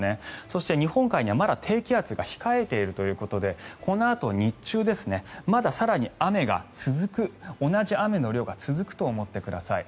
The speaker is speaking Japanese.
そして日本海にはまだ低気圧が控えているということでこのあと日中、まだ更に雨が続く同じ雨の量が続くと思ってください。